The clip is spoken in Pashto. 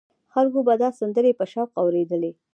خلکو به دا سندرې په شوق اورېدلې.